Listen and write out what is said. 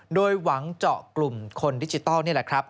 โดยหวังเจาะกลุ่มคนดิจิทัลนี่แหละครับ